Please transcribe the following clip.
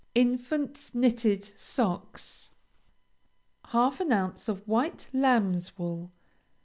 INFANT'S KNITTED SOCKS. Half an ounce of White Lamb's Wool.